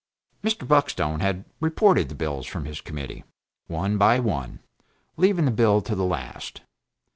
Mr. Buckstone had reported the bills from his committee, one by one, leaving the bill to the last.